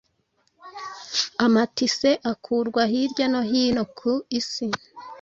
amatise akurwa hirya no hino ku isi ,